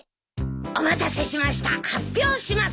お待たせしました発表します。